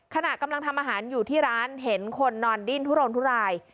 ขณะกำลังทำอาหารอยู่ที่ร้านเห็นคนนอนดิ้นทุรนทุราย